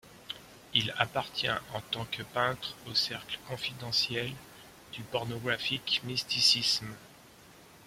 Il appartient en tant que peintre au cercle confidentiel du Pornographic Mysticism.